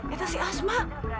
itu si asma